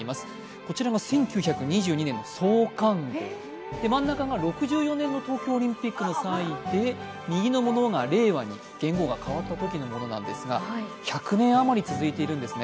こちらが１９２２年の創刊号真ん中が６４年の東京オリンピックの際で右のものが元号が令和に代わったときのものなんですが、１００年余り続いているんですね。